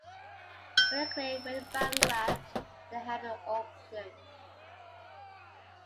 When Acclaim went bankrupt, they held an auction.